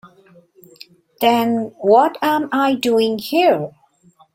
Then what am I doing here?